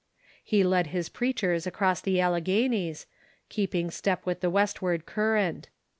He led his preachers across the AUeghenies, keeping step with the westward current.